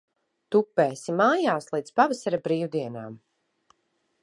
Tupēsi mājās līdz pavasara brīvdienām.